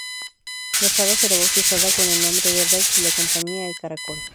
La sala será bautizada con el nombre de Rex y la compañía, "El Caracol".